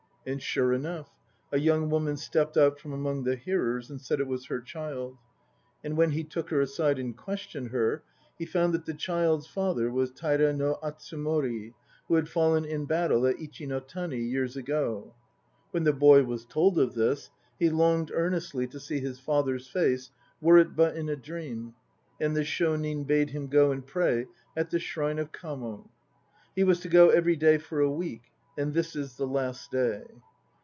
And sure enough a young woman stepped out from among the hearers and said it was her child. And when he took her aside and questioned her, he found that the child's father was Taira no Atsumori, who had fallen in battle at Ichi no Tani years ago. When the boy was told of this, he longed earnestly to see his father's face, were it but in a dream, and the Shonin bade him go and pray at the shrine of Kamo. He was to go every clav for a week, and this is the last day.